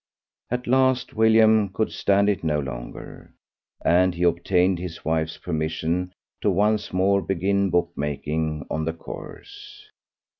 At last William could stand it no longer, and he obtained his wife's permission to once more begin book making on the course.